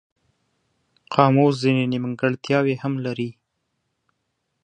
قاموس ځینې نیمګړتیاوې هم لري.